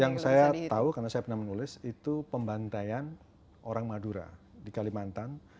yang saya tahu karena saya pernah menulis itu pembantaian orang madura di kalimantan